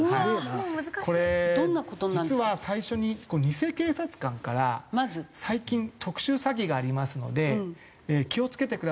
これ実は最初に偽警察官から「最近特殊詐欺がありますので気を付けてください」。